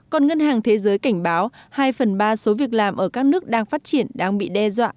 còn ngân hàng thế giới cảnh báo hai phần ba số việc làm ở các nước đang phát triển đang bị đe dọa